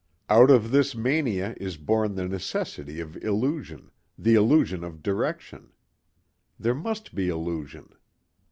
Out of this mania is born the necessity of illusion the illusion of direction. There must be illusion.